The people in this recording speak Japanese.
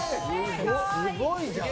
すごいじゃん。